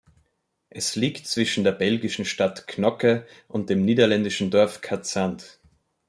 Es liegt zwischen der belgischen Stadt Knokke und dem niederländischen Dorf Cadzand.